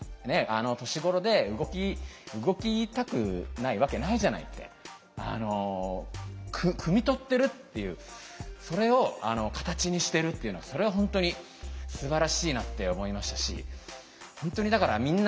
あの年頃で動きたくないわけないじゃないってくみ取ってるっていうそれを形にしてるっていうのはそれは本当にすばらしいなって思いましたし本当にだからうん。